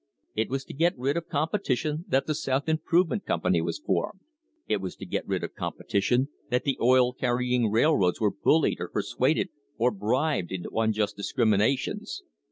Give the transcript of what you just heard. It was to get rid of competition that the South Improvement Company was formed. It was to get rid of competition that the oil carry ing railroads were bullied or persuaded or bribed into un just discriminations.